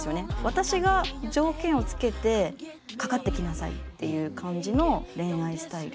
私が条件をつけてかかってきなさいっていう感じの恋愛スタイル。